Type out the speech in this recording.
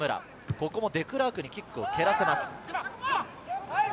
ここもデクラークにキックを蹴らせます。